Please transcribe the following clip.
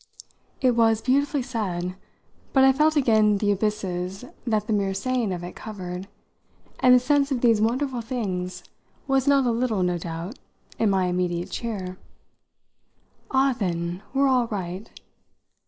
It was beautifully said, but I felt again the abysses that the mere saying of it covered, and the sense of these wonderful things was not a little, no doubt, in my immediate cheer. "Ah, then, we're all right!"